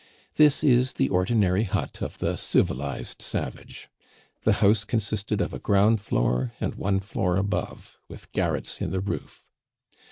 This is the ordinary hut of the civilized savage. The house consisted of a ground floor and one floor above, with garrets in the roof.